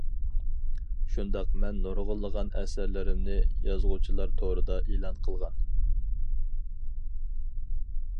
شۇنداق مەن نۇرغۇنلىغان ئەسەرلىرىمنى يازغۇچىلار تورىدا ئېلان قىلغان.